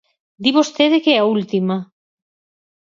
Di vostede que é a última.